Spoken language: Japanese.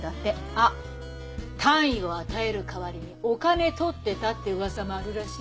あっ単位を与える代わりにお金取ってたって噂もあるらしいよ。